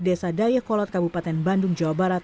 desa dayakolot kabupaten bandung jawa barat